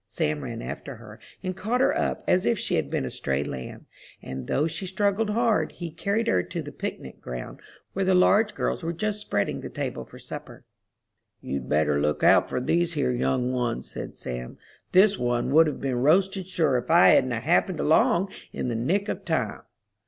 Sam ran after her, and caught her up, as if she had been a stray lamb; and though she struggled hard, he carried her to the picnic ground, where the large girls were just spreading the table for supper. "You'd better look out for these here young ones," said Sam. "This one would have been roasted sure, if I hadn't a happened along in the nick of time."